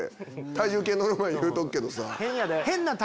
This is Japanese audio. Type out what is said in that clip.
体重計乗る前に言うとくけど。